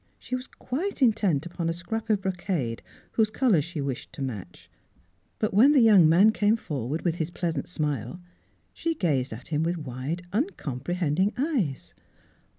She was quite intent upon Miss Philura's Wedding Gown a scrap of brocade whose colour she wished to match, but when the young man came forward with his pleasant smile, she gazed at him with wide, uncomprehending eyes.